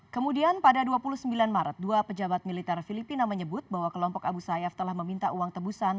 kemudian pada dua puluh sembilan maret dua pejabat militer filipina menyebut bahwa kelompok abu sayyaf telah meminta uang tebusan